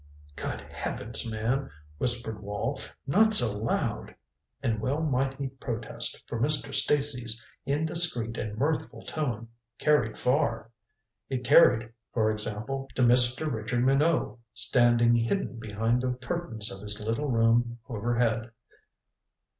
"Good heavens, man," whispered Wall. "Not so loud!" And well might he protest, for Mr. Stacy's indiscreet and mirthful tone carried far. It carried, for example, to Mr. Richard Minot, standing hidden behind the curtains of his little room overhead.